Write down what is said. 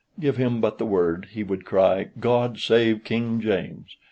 Give him but the word, he would cry, "God save King James!"